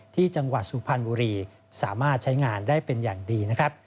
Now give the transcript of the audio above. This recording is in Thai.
ที่จังหวัดสุพรรณบุรีสามารถใช้งานได้เป็นอย่างดีนะครับ